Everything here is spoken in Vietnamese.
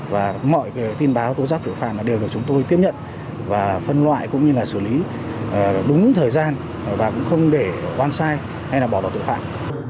và mọi tin báo tố giác tội phạm đều được chúng tôi tiếp nhận và phân loại cũng như là xử lý đúng thời gian và cũng không để oan sai hay là bỏ tội phạm